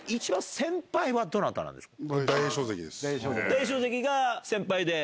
大栄翔関が先輩で。